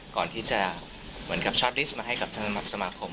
ก่อนที่จะเหมือนกับช็อตลิสต์มาให้กับทางสมาคม